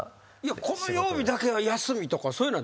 この曜日だけは休みとかそういうのはないわけですか？